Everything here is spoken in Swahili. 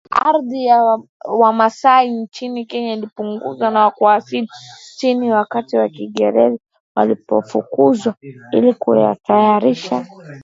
ardhi ya Wamasai nchini Kenya ilipunguzwa kwa asilimia sitini wakati Waingereza walipowafukuza ili kutayarisha